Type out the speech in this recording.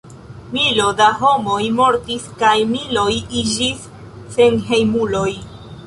Milo da homoj mortis kaj miloj iĝis senhejmuloj.